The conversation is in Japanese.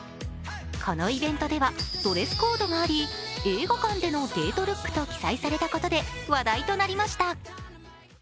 このイベントではドレスコードがあり映画館でのデートルックと記載されたことで話題となりました。